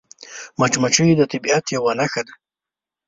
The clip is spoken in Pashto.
مچمچۍ د طبیعت یوه نښه ده